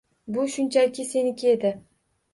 Bu shunchaki seniki edi.